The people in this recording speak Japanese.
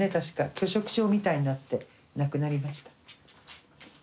拒食症みたいになって亡くなりました。